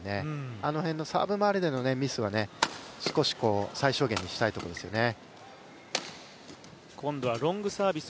あの辺のサーブ周りでのミスは少し最小限にしたいところですよね。